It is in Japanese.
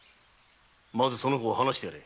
まずその子を放してやれ。